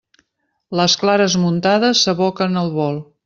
Les clares muntades s'aboquen al bol.